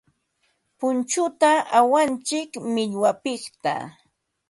Punchuta awantsik millwapiqta.